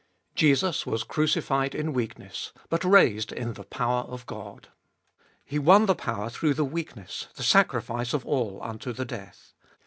3. Jesus was crucified in weakness, but raised In the power of Qod. He won the power through the weakness, the sacrifice of all unto the death.